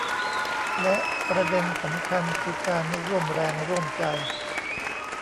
และประเด็นสำคัญคือการร่วมแรงร่วมใจ